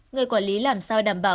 người quản lý làm sao đảm bảo